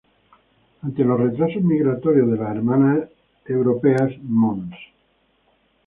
Ante los retrasos migratorios de las hermanas europeas, Mons.